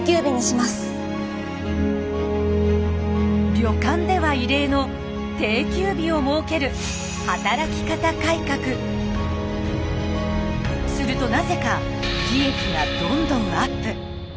旅館では異例の「定休日」を設けるするとなぜか利益がどんどんアップ。